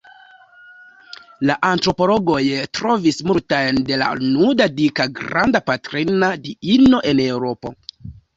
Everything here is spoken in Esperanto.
La antropologoj trovis multajn de la nuda dika Granda Patrina Diino en Eŭropo.